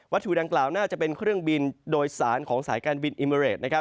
วัตถุดังกล่าวน่าจะเป็นเครื่องบินโดยสารของสายการบินอิมเมริด